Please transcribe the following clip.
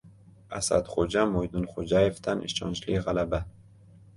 Asadxo‘ja Mo‘ydinxo‘jayevdan ishonchli g‘alaba